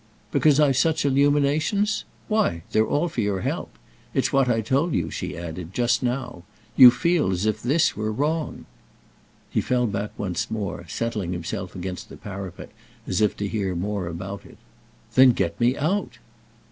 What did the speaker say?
"Because I've such illuminations? Why they're all for your help! It's what I told you," she added, "just now. You feel as if this were wrong." He fell back once more, settling himself against the parapet as if to hear more about it. "Then get me out!"